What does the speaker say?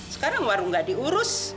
sekarang warung gak diurus